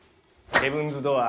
ヘブンズ・ドアー。